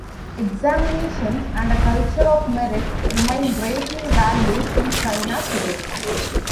Examinations and a culture of merit remain greatly valued in China today.